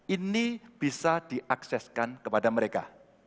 ini bisa diakseskan kepada mereka